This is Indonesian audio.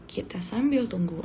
kita sambil tunggu